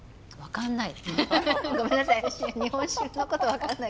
分かんない。